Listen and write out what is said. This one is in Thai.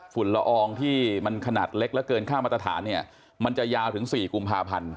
ละอองที่มันขนาดเล็กและเกินค่ามาตรฐานเนี่ยมันจะยาวถึง๔กุมภาพันธ์